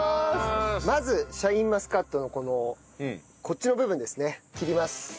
まずシャインマスカットのこのこっちの部分ですね切ります。